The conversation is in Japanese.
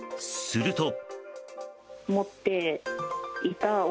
すると。